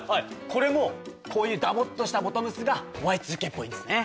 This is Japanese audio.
これもこういうダボっとしたボトムスがＹ２Ｋっぽいんですね。